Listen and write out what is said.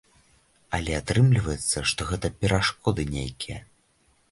Але атрымліваецца, што гэта перашкоды нейкія.